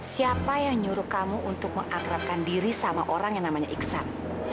siapa yang nyuruh kamu untuk mengakrabkan diri sama orang yang namanya iksan